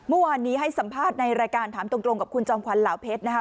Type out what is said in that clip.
เมื่อวานนี้ให้สัมภาษณ์ในรายการถามตรงกับคุณจอมขวัญเหล่าเพชรนะคะ